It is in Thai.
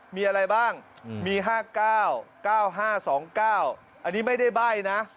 มีอะไรบ้างมี๕๙๙๕๒๙อันนี้ไม่ได้ใบ้นะ